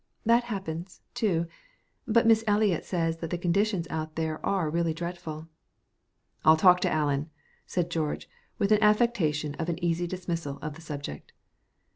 "That happens, too, but Miss Eliot says that the conditions out there are really dreadful." "I'll talk to Allen," said George with an affectation of easy dismissal of the subject.